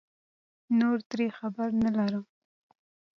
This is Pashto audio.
نور ترې خبر نه لرم